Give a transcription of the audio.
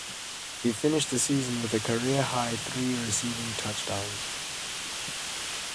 He finished the season with a career-high three receiving touchdowns.